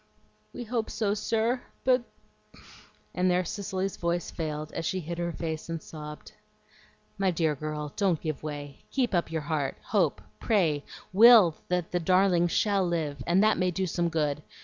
"We hope so, sir, but " And there Cicely's voice failed, as she hid her face and sobbed. "My dear girl, don't give way. Keep up your heart, hope, pray, will that the darling SHALL live, and that may do some good.